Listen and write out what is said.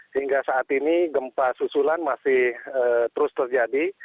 sehingga saat ini gempa susulan masih terus terjadi